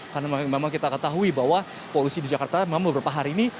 karena memang kita ketahui bahwa polusi di jakarta memang beberapa hari ini